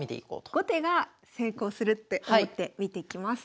おっ後手が成功するって思って見ていきます。